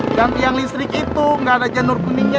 di kan tiang listrik itu gak ada janur kuningnya